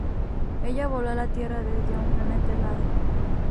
Ella voló a la Tierra desde un planeta helado.